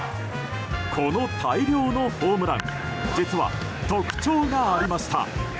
この大量のホームラン実は、特徴がありました。